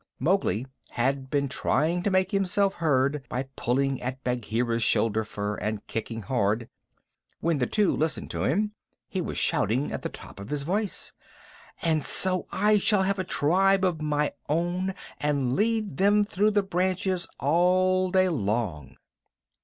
Mowgli had been trying to make himself heard by pulling at Bagheera's shoulder fur and kicking hard. When the two listened to him he was shouting at the top of his voice, "And so I shall have a tribe of my own, and lead them through the branches all day long."